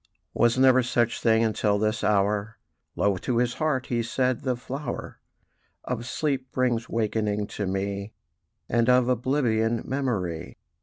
"Was never such thing until this hour," Low to his heart he said; "the flower Of sleep brings wakening to me, And of oblivion memory.